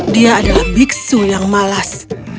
dia adalah biksu yang malas